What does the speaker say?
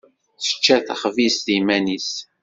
Tečča taxbizt iman-is.